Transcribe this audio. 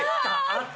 あった！